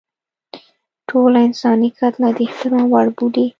ټوله انساني کتله د احترام وړ بولي.